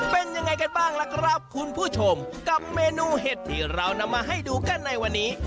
เป็นยังไงกันบ้างล่ะครับคุณผู้ชมกับเมนูเห็ดที่เรานำมาให้ดูกันในวันนี้